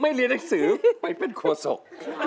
เรียนหนังสือไปเป็นโคศก